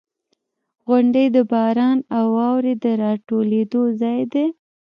• غونډۍ د باران او واورې د راټولېدو ځای دی.